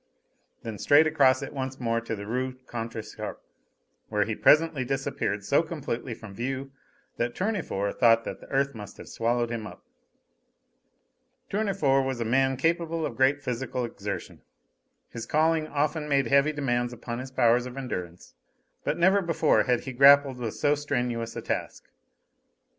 Then straight across it once more to the Rue Contrescarpe, where he presently disappeared so completely from view that Tournefort thought that the earth must have swallowed him up. Tournefort was a man capable of great physical exertion. His calling often made heavy demands upon his powers of endurance; but never before had he grappled with so strenuous a task.